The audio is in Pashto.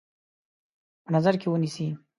په نظر کې ونیسي.